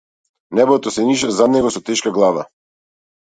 Небото се ниша зад него со тешка глава.